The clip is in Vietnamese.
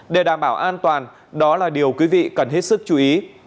để đảm bảo an toàn đó là điều quý vị cần hết sức chú ý